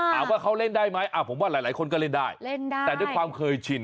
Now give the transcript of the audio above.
ถามว่าเขาเล่นได้ไหมผมว่าหลายคนก็เล่นได้เล่นได้แต่ด้วยความเคยชิน